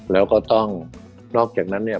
แล้วก็ต้องนอกจากนั้นเนี่ย